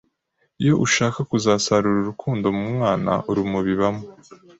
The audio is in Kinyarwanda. iyo ushaka kuzasarura urukundo mu mwana urumubibabo,